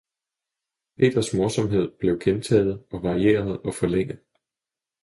Peters morsomhed blev gentaget og varieret og forlænget.